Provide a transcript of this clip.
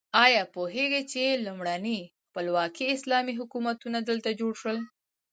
ایا پوهیږئ چې لومړني خپلواکي اسلامي حکومتونه دلته جوړ شول؟